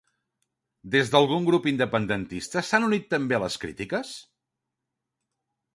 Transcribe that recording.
Des d'algun grup independentista s'han unit també a les crítiques?